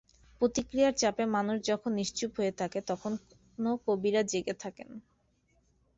প্রতিক্রিয়ার চাপে মানুষ যখন নিশ্চুপ হয়ে থাকে, তখনো কবিরা জেগে থাকেন।